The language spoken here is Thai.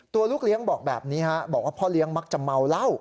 ลูกเลี้ยงบอกแบบนี้บอกว่าพ่อเลี้ยงมักจะเมาเหล้า